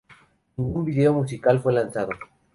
Ningún video musical fue lanzado.